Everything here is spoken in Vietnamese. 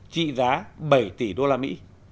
trị giá bảy tỷ usd